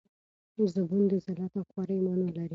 زبون د ذلت او خوارۍ مانا لري.